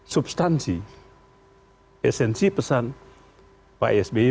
substansi esensi pesan pak sby